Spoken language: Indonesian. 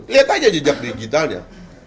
lihat aja jejak digitalnya